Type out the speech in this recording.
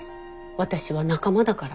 私は仲間だから。